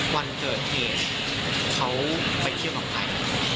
วันเกิดเหตุเขาไปเที่ยวกับใคร